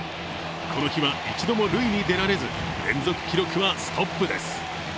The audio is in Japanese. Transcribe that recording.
この日は一度も塁に出られず、連続記録はストップです。